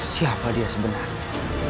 siapa dia sebenarnya